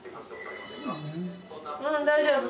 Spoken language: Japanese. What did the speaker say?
うん大丈夫？